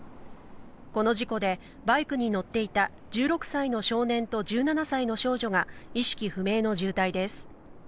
この事故で、バイクに乗っていた１６歳の少年と１７歳の少女が意識不明の重体です。